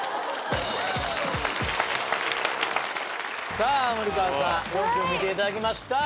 さあ森川さん４組見ていただきました。